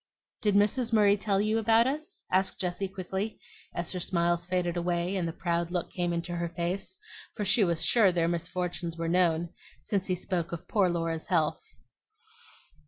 "Did Mrs. Murray tell you about us?" asked Jessie quickly, as her smiles faded away and the proud look came into her face; for she was sure their misfortunes were known, since he spoke of poor Laura's health.